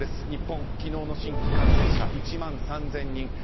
日本、昨日の新規感染者１万３０００人。